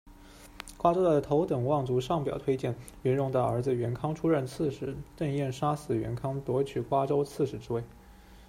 瓜州的头等望族上表推荐元荣的儿子元康出任刺史，邓彦杀死元康夺取瓜州刺史之位。